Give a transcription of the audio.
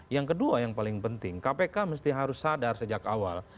yang kedua yang paling penting kpk mesti harus sadar sejak awal